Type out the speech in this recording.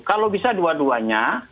kalau bisa dua duanya